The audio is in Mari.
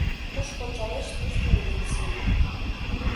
Кушко ончалеш — тушто милиций.